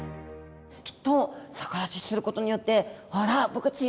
きっと逆立ちすることによってほら僕強いでしょうって